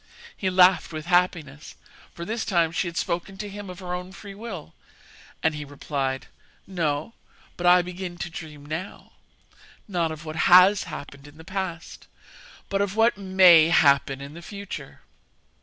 He laughed with happiness, for this time she had spoken to him of her own free will; and he replied: 'No; but I begin to dream now not of what has happened in the past, but of what may happen in the future.'